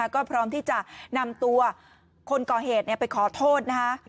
ก็พร้อมที่จะนำตัวคนก่อเหตุไปขอโทษนะคะ